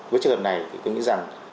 với trường hợp này tôi nghĩ rằng